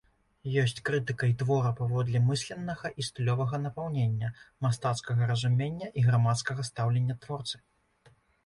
Ёсць крытыкай твора паводле мысленнага і стылёвага напаўнення, мастацкага разумення і грамадскага стаўлення творцы.